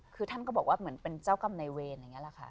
คือท่านก็บอกว่าเหมือนเป็นเจ้ากรรมในเวร